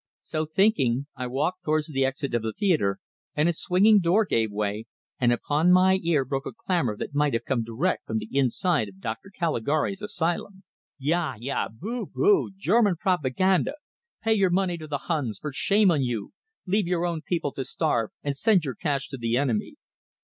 So thinking, I walked towards the exit of the theatre, and a swinging door gave way and upon my ear broke a clamor that might have come direct from the inside of Dr. Caligari's asylum. "Ya, ya. Boo, boo! German propaganda! Pay your money to the Huns! For shame on you! Leave your own people to starve, and send your cash to the enemy."